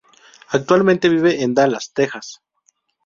Actualmente vive en Dallas, Texas.